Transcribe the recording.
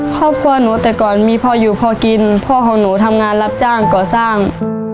ครอบครัวหนูแต่ก่อนมีพ่ออยู่พอกินพ่อของหนูทำงานรับจ้างก่อสร้าง